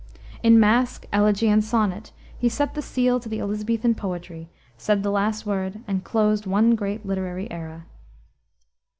In masque, elegy, and sonnet, he set the seal to the Elisabethan poetry, said the last word, and closed one great literary era.